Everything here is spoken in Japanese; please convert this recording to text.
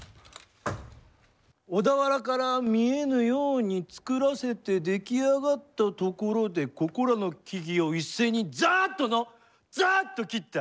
小田原から見えぬように作らせて出来上がったところで、ここらの木々を一斉にざぁっとの、ざぁっと切った。